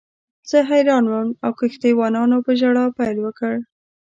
زه حیران وم او کښتۍ وانانو په ژړا پیل وکړ.